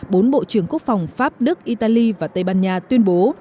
bốn bộ trưởng quốc phòng pháp đức italy và tây ban nha tuyên bố